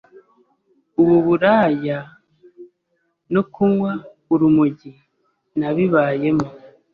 Ubu buraya no kunywa urumogi nabibayemo